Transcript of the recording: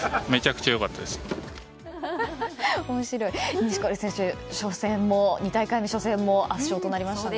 錦織選手、２大会目初戦も圧勝となりましたね。